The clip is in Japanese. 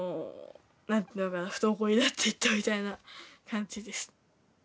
何ていうのかな不登校になっていったみたいな感じです。